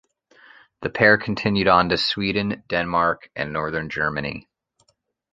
The pair continued on to Sweden, Denmark and northern Germany.